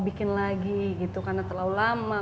bikin lagi gitu karena terlalu lama